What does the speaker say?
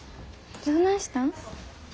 どないしたん？